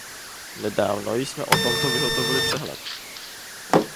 Nedávno jsme o tomto vyhotovili přehled.